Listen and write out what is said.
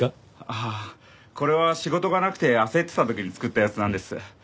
ああこれは仕事がなくて焦ってた時に作ったやつなんです。